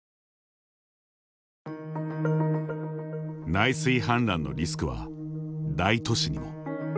内水氾濫のリスクは大都市にも。